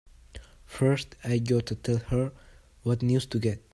First I gotta tell her what news to get!